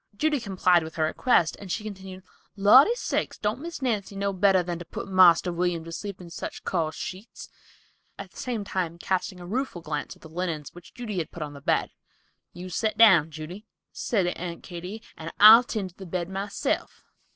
Judy complied with her request and she continued: "Lordy sakes—don't Miss Nancy know better than to put Marster William to sleep in such coarse sheets," at the same time casting a rueful glance at the linens which Judy had put upon the bed. "You set down, Judy," said Aunt Katy, "and I'll tend to the bed myself."